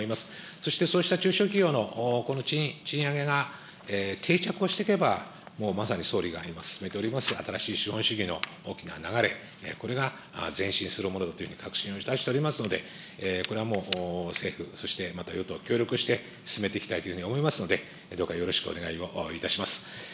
そしてそうした中小企業のこの賃上げが定着をしていけば、もうまさに総理が今進めております新しい資本主義の大きな流れ、これが前進するものだというふうに確信をいたしておりますので、これはもう政府、そしてまた与党協力して、進めていきたいと思いますので、どうかよろしくお願いをいたします。